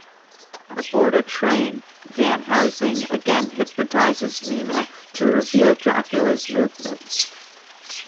Aboard a train, Van Helsing again hypnotizes Mina to reveal Dracula's movements.